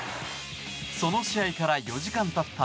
その試合から４時間たった